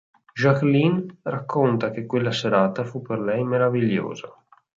Jacqueline racconta che quella serata fu per lei meravigliosa.